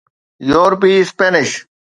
يورپي اسپينش